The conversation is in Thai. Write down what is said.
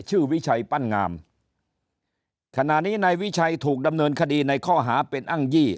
วิชัยปั้นงามขณะนี้นายวิชัยถูกดำเนินคดีในข้อหาเป็นอ้างยี่